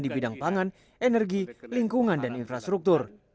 di bidang pangan energi lingkungan dan infrastruktur